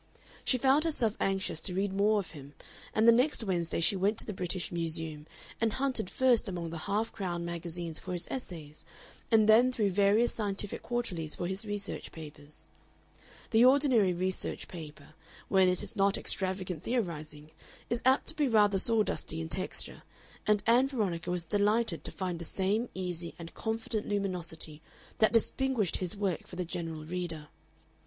She found herself anxious to read more of him, and the next Wednesday she went to the British Museum and hunted first among the half crown magazines for his essays and then through various scientific quarterlies for his research papers. The ordinary research paper, when it is not extravagant theorizing, is apt to be rather sawdusty in texture, and Ann Veronica was delighted to find the same easy and confident luminosity that distinguished his work for the general reader.